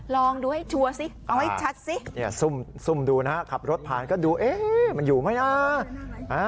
ลองดูให้ชัดซิซุ่มดูนะครับรถผ่านก็ดูเอ๊ะมันอยู่ไหมนะ